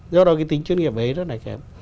do đó cái tính chuyên nghiệp ấy rất là kém